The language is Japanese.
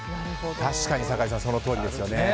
確かに酒井さんそのとおりですね。